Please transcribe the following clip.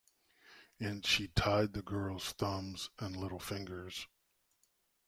And she tied the girl's thumbs and little fingers.